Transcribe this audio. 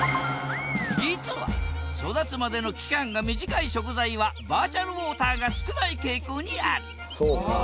実は育つまでの期間が短い食材はバーチャルウォーターが少ない傾向にあるそうか。